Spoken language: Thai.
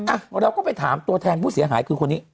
อ่ะเราก็ไปถามตัวแทนผู้เสียหายคือคนนี้